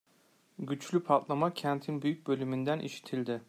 Güçlü patlama kentin büyük bölümünden işitildi.